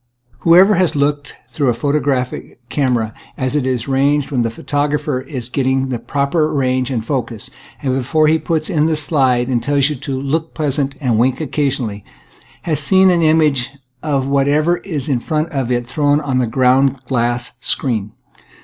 Whoever has looked through a photographic camera as it is arranged when the photographer is getting the proper range and focus, and be fore he puts in the slide and tells you to " look pleasant " and " wink occasionally," has seen an image of whatever is in front of it thrown on the ground glass screen.